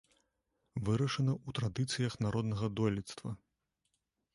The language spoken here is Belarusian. Вырашана ў традыцыях народнага дойлідства.